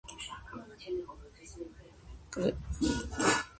კრების მამებმა დაამტკიცეს წმიდა ხატების თაყვანისცემის წესი.